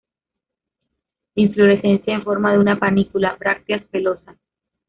Inflorescencia en forma de una panícula; brácteas pelosas.